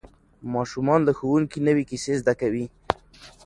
ماشومان له ښوونکي نوې کیسې زده کوي